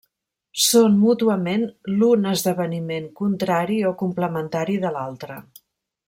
Són mútuament l'un esdeveniment contrari o complementari de l'altre.